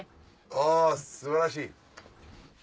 あ素晴らしい。